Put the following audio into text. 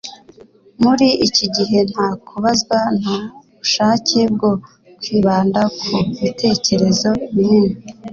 muri iki gihe nta kubazwa nta bushake bwo kwibanda ku bitekerezo binini